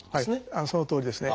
そのとおりですね。